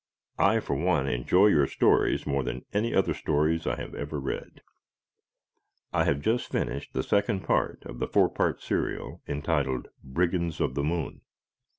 I, for one, enjoy your stories more than any other stories I have ever read. I have just finished the second part of the four part serial entitled "Brigands of the Moon."